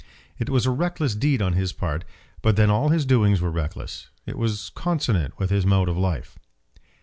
It was a reckless deed on his part, but then all his doings were reckless. It was consonant with his mode of life.